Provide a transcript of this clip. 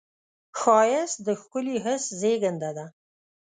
ښایست د ښکلي حس زېږنده ده